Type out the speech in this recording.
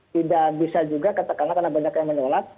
tidak bisa juga katakanlah karena banyak yang menolak